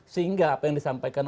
sehingga apa yang disampaikan